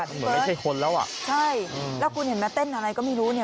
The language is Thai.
มันเหมือนไม่ใช่คนแล้วอ่ะใช่แล้วคุณเห็นไหมเต้นอะไรก็ไม่รู้เนี่ย